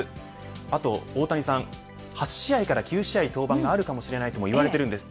あと大谷さん、８試合から９試合、登板があるかもしれないとも言われています。